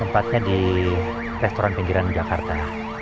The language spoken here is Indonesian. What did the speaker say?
tempatnya di restoran pinggiran jakarta